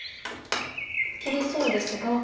切れそうですが。